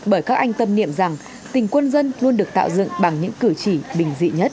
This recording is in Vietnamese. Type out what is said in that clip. bởi các anh tâm niệm rằng tình quân dân luôn được tạo dựng bằng những cử chỉ bình dị nhất